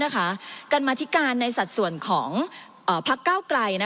กรรมธิการในสัดส่วนของพักเก้าไกล